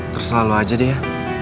terus selalu aja deh ya